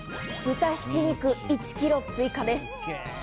豚挽き肉１キロ追加です。